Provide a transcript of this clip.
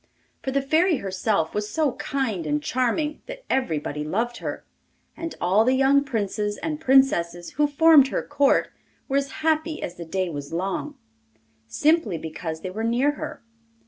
For the Fairy herself was so kind and charming that everybody loved her, and all the young princes and princesses who formed her court, were as happy as the day was long, simply because they were near her.